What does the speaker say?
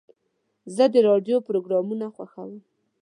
زه د راډیو پروګرامونه خوښوم.